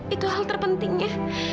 itu hal terpentingnya